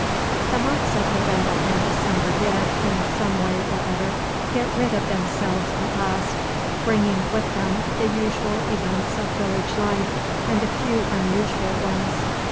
The months of November and December did, in some way or other, get rid of themselves at last, bringing with them the usual events of village life and a few unusual ones.